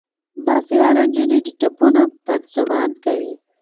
باسواده نجونې د ټپونو پانسمان کوي.